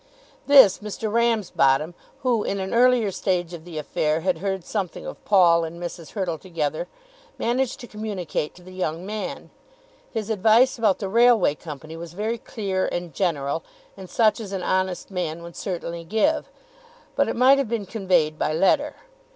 This Mr. Ramsbottom, who in an earlier stage of the affair had heard something of Paul and Mrs. Hurtle together, managed to communicate to the young man. His advice about the railway company was very clear and general, and such as an honest man would certainly give; but it might have been conveyed by letter.